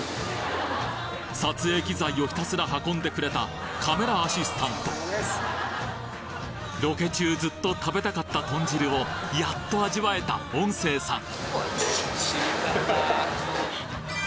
撮影機材をひたすら運んでくれたカメラアシスタントロケ中ずっと食べたかった豚汁をやっと味わえた音声さん